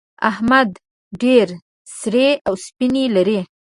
احمد ډېر سرې او سپينې لري.